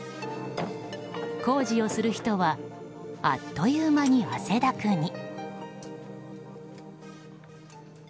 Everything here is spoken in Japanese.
工事をする人はあっというまに汗だくに。